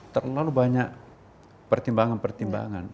terlalu banyak pertimbangan pertimbangan